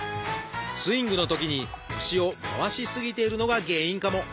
スイングのときに腰を回し過ぎているのが原因かも。